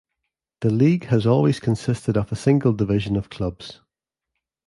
The league has always consisted of a single division of clubs.